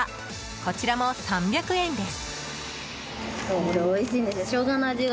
こちらも３００円です。